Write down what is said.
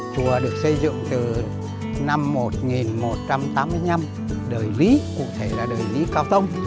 chùa được xây dựng từ năm một nghìn một trăm tám mươi năm đời lý cụ thể là đời lý cao tông